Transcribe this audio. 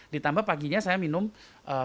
ditambah paginya saya minum teh